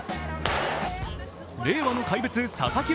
令和の怪物・佐々木朗